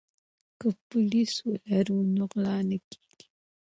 که پولیس ولرو نو غلا نه کیږي.